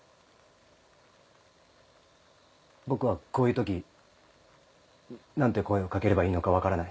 僕はこういう時何て声を掛ければいいのか分からない。